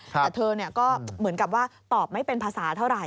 แต่เธอก็เหมือนกับว่าตอบไม่เป็นภาษาเท่าไห